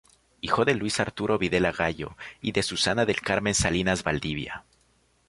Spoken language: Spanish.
Hijo de Luis Arturo Videla Gallo y de Susana del Carmen Salinas Valdivia.